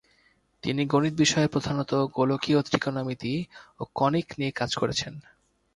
তিনি গণিত বিষয়ে প্রধানত গোলকীয় ত্রিকোণমিতি ও কনিক নিয়ে কাজ করেছেন।